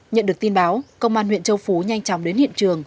nhận được tin báo công an huyện châu phú nhanh chóng đến hiện trường